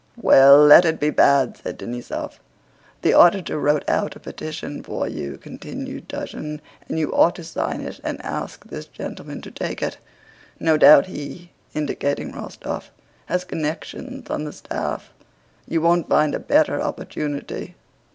"Well, let it be bad," said Denísov. "The auditor wrote out a petition for you," continued Túshin, "and you ought to sign it and ask this gentleman to take it. No doubt he" (indicating Rostóv) "has connections on the staff. You won't find a better opportunity."